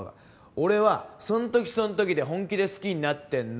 俺はそん時そん時で本気で好きになってんの！